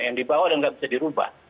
yang dibawa dan nggak bisa dirubah